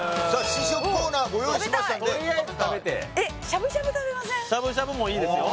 試食コーナーご用意しましたんでしゃぶしゃぶもいいですよ